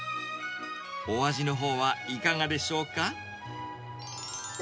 お味のほうはいかがでしょうか。